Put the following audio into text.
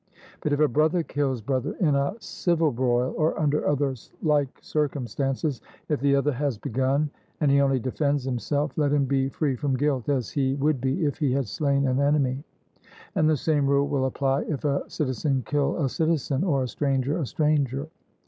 But if brother kills brother in a civil broil, or under other like circumstances, if the other has begun, and he only defends himself, let him be free from guilt, as he would be if he had slain an enemy; and the same rule will apply if a citizen kill a citizen, or a stranger a stranger.